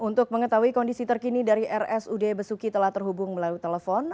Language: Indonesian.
untuk mengetahui kondisi terkini dari rsud besuki telah terhubung melalui telepon